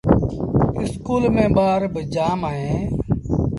اسڪول ميݩ ٻآر با جآم اوهيݩ ۔